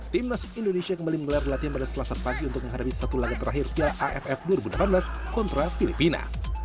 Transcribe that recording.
tim nasib indonesia kembali menggelar latihan pada selasa pagi untuk menghadapi satu laga terakhir piala aff dua ribu delapan belas kontra filipina